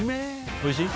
おいしい？